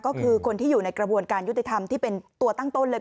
ก็คือคนที่อยู่ในกระบวนการยุติธรรมที่เป็นตัวตั้งต้นเลย